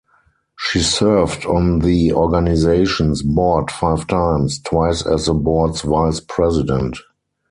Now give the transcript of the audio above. She served on the organization's Board five times, twice as the Board's Vice President.